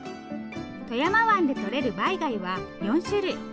富山湾でとれるバイ貝は４種類。